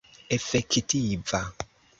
efektiva